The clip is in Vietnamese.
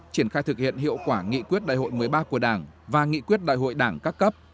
triển khai thực hiện hiệu quả nghị quyết đại hội một mươi ba của đảng và nghị quyết đại hội đảng các cấp